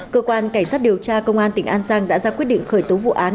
cơ quan cảnh sát điều tra công an tỉnh an giang đã ra quyết định khởi tố vụ án